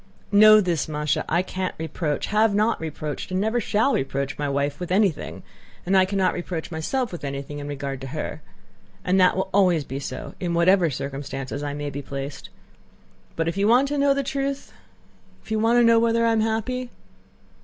"Know this, Másha: I can't reproach, have not reproached, and never shall reproach my wife with anything, and I cannot reproach myself with anything in regard to her; and that always will be so in whatever circumstances I may be placed. But if you want to know the truth... if you want to know whether I am happy?